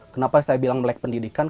kenapa saya bilang melek pendidikan